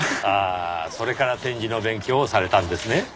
ああそれから点字の勉強をされたんですね？